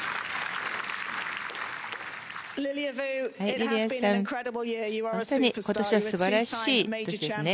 リリア・ブさん、本当に今年は素晴らしい年ですね。